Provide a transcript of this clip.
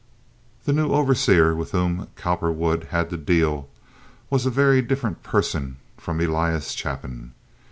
The new overseer with whom Cowperwood had to deal was a very different person from Elias Chapin.